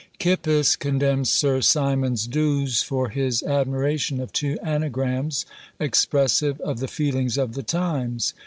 Kippis condemns Sir Symonds D'Ewes for his admiration of two anagrams, expressive of the feelings of the times.